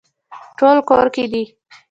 ټول کور کې دي